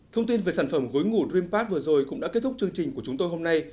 thông tin về sản phẩm gối ngủ dreampad vừa rồi cũng đã kết thúc chương trình của chúng tôi hôm nay